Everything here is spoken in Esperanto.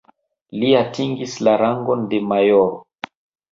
Li atingis la rangon de majoro.